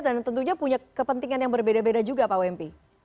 dan tentunya punya kepentingan yang berbeda beda juga pak wmp